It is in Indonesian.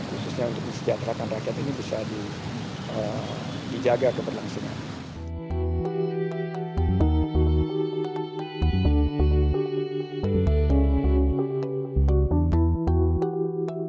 khususnya untuk disejahterakan rakyat ini bisa dijaga keberlangsungan